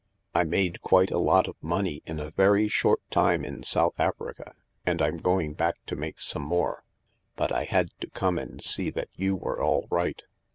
I made quite a lot of money in a very short time in South Africa, and I'm going back to make some more. But I had to come and see that you were all right.